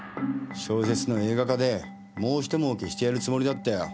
小説の映画化でもう一儲けしてやるつもりだったよ。